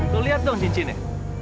tuh lihat dong cincinnya